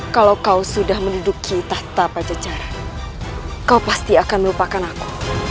kalau kau sudah menduduki tahta pajejara kau pasti akan melupakan aku